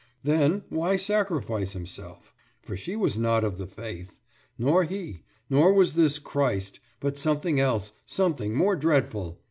Then, why sacrifice himself? For she was not of the faith. Nor he. Nor was this Christ; but something else, something more dreadful.